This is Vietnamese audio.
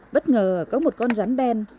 bất ngờ có một con rắn đen